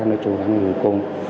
nói chung là mình cùng